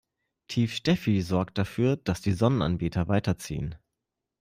Tief Steffi sorgt dafür, dass die Sonnenanbeter weiterziehen.